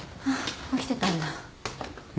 起きてたんだ。